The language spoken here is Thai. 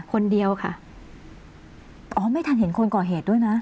คนเดียวค่ะอ๋อไม่ทันเห็นคนก่อเหตุด้วยนะ